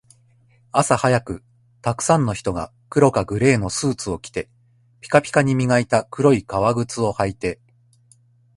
朝早く、沢山の人が黒かグレーのスーツを着て、ピカピカに磨いた黒い革靴を履いて